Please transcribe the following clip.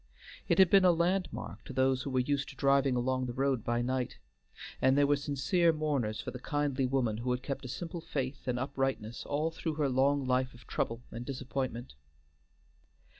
It had been a landmark to those who were used to driving along the road by night, and there were sincere mourners for the kindly woman who had kept a simple faith and uprightness all through her long life of trouble and disappointment.